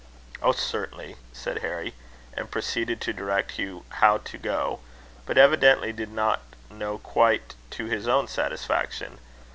"Oh, certainly," said Harry, and proceeded to direct Hugh how to go; but evidently did not know quite to his own satisfaction.